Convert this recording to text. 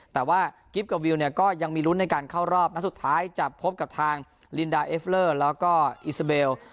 แต่ว่ากิฟต์กับวิวเนี่ยก็ยังมีลุ้นในการเข้ารอบนัดสุดท้ายจะพบกับทางลินดาเอฟเลอร์แล้วก็อิสเบล